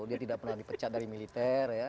dia tidak pernah dipecat dari militer ya